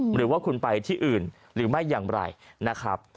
หรือว่าคุณไปที่อื่นหรือไม่อย่างไรนะครับ